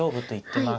はい。